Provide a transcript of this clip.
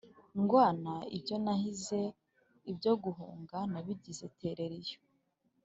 Ndwana ibyo nahize, ibyo guhunga nabigize terera iyo,